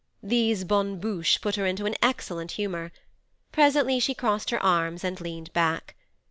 These bonnes bouches put her into excellent humour; presently she crossed her arms and leaned back.